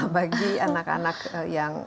bagi anak anak yang